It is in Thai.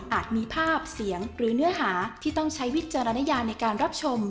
มีภาพเสียงหรือเนื้อหาที่ต้องใช้วิจารณญาในการรับชม